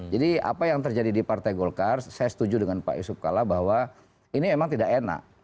jadi apa yang terjadi di partai golkar saya setuju dengan pak yusuf kala bahwa ini emang tidak enak